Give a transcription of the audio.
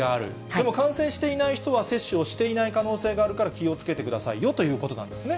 でも、感染していない人は接種をしていない可能性があるから、気をつけてくださいよということなんですね。